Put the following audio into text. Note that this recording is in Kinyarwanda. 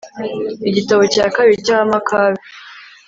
igitabo cya kabiri cy'abamakabe